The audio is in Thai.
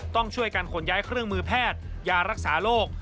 ต้องช่วยกันขนย้ายเครื่องมือแพทย์ยารักษาโรค